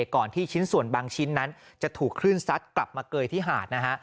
ก่อนที่ชิ้นส่วนบางชิ้นนั้นจะถูกคลื่นซัดกลับมาเกยที่หาดนะฮะ